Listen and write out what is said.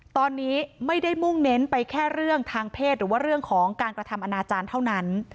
ตอนนี้ไม่ได้มุ่งเน้นไปแค่เรื่องทางเพศหรือว่าเรื่องของการกระทำอนาจารย์เท่านั้น